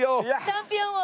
チャンピオンを。